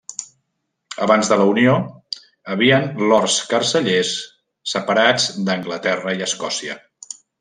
Abans de la Unió, havien Lords cancellers separats d'Anglaterra i Escòcia.